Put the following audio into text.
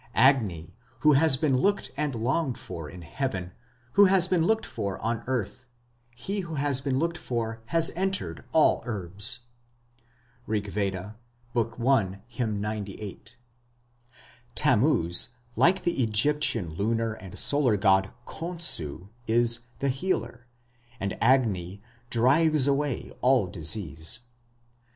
Agni, who has been looked and longed for in Heaven, who has been looked for on earth he who has been looked for has entered all herbs. Rigveda, i, 98. Tammuz, like the Egyptian lunar and solar god Khonsu, is "the healer", and Agni "drives away all disease".